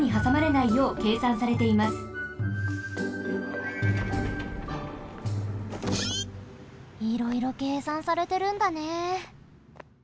いろいろけいさんされてるんだね。